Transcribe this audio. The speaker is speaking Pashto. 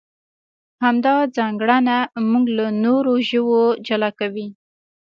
همدا ځانګړنه موږ له نورو ژوو جلا کوي.